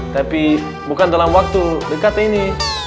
tapi bukan dalam waktu dekat ini